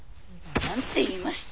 何て言いました？